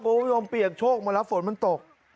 โปรโยงเปียกโชคมาแล้วฝนมันตก